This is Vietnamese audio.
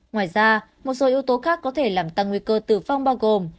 ngoài ra một số yếu tố khác có thể làm tăng nguy cơ tử vong bao gồm